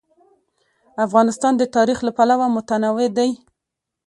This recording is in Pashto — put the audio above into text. افغانستان د تاریخ له پلوه متنوع دی.